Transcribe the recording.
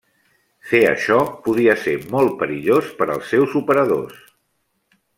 Fer això podia ser molt perillós per als seus operadors.